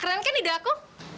keren kan ide aku